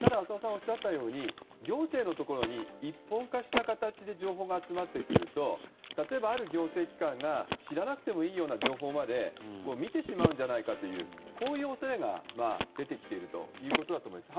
ただ、浅尾さんがおっしゃったように行政のところに一本化して情報が集まってくると例えば、ある行政機関が知らなくてもいい情報まで見てしまうんじゃないかとこういう恐れが出てきているということだと思います。